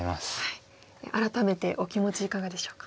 改めてお気持ちいかがでしょうか？